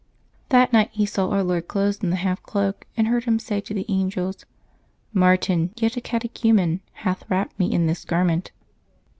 That night he saw Our Lord clothed in the half cloak, and heard Him say to the angels :" Martin, yet a catechumen, hath wrapped Me in this garment."